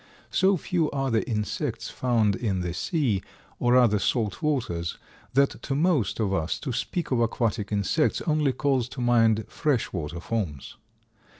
So few are the insects found in the sea, or other salt waters, that, to most of us, to speak of aquatic insects only calls to mind fresh water forms.